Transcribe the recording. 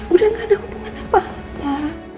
udah gak ada hubungan apa apa